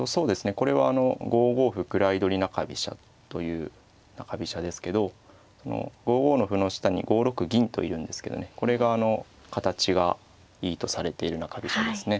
これはあの５五歩位取り中飛車という中飛車ですけどその５五の歩の下に５六銀といるんですけどねこれがあの形がいいとされている中飛車ですね。